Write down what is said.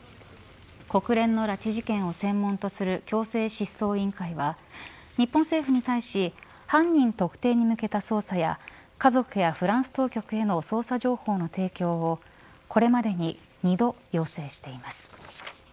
国連の拉致事件を専門とする強制失踪委員会は日本政府に対し犯人特定に向けた捜査や家族やフランス当局への捜査情報の提供をこれまでに２度要請しています。